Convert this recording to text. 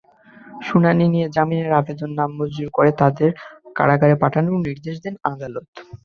শুনানি নিয়ে জামিনের আবেদন নামঞ্জুর করে তাঁদের কারাগারে পাঠানোর আদেশ দেন আদালত।